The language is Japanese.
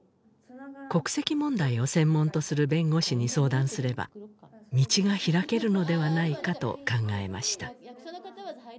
国籍問題を専門とする弁護士に相談すれば道が開けるのではないかと考えました